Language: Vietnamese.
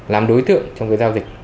làm đối tượng trong cái giao dịch